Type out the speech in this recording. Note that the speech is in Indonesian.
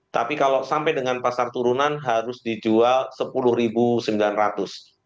tapi kalau sampai dengan pasar turunan harus dijual rp sepuluh sembilan ratus